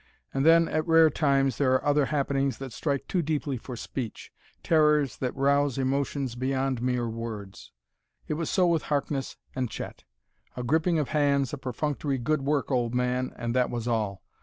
And then, at rare times, there are other happenings that strike too deeply for speech terrors that rouse emotions beyond mere words. It was so with Harkness and Chet. A gripping of hands; a perfunctory, "Good work, old man!" and that was all.